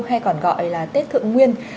hay còn gọi là tết thượng nguyên